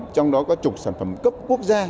trong đó có trục sản phẩm cấp quốc gia